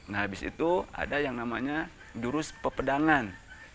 nah habis itu ada yang namanya jurus pepedangan